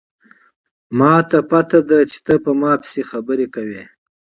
ما ته پته ده چې ته په ما پسې خبرې کوې